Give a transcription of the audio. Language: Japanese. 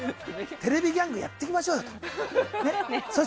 「テレビギャング」やっていきましょうよ。